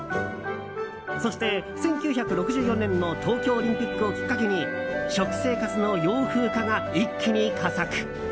そして１９６４年の東京オリンピックをきっかけに食生活の洋風化が一気に加速。